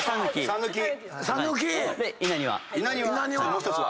もう１つは？